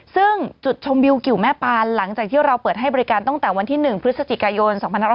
ซึ่งจุดชมวิวกิวแม่ปานหลังจากที่เราเปิดให้บริการตั้งแต่วันที่๑พฤศจิกายน๒๕๖๐